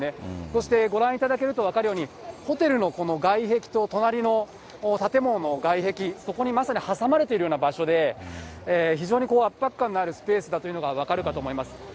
そしてご覧いただけると分かるようにホテルの外壁と隣の建物の外壁、そこにまさに挟まれているような場所で、非常に圧迫感のあるスペースだということが分かると思います。